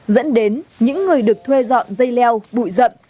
dẫn đến những người được thuê dọn dây leo bụi rậm